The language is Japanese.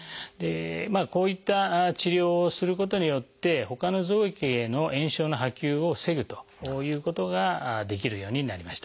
こういった治療をすることによってほかの臓器への炎症の波及を防ぐということができるようになりました。